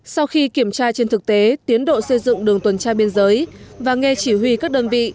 sau khi kiểm tra trên thực tế tiến độ xây dựng đường tuần tra biên giới và nghe chỉ huy các đơn vị